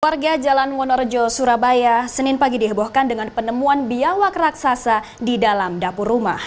warga jalan wonorejo surabaya senin pagi dihebohkan dengan penemuan biawak raksasa di dalam dapur rumah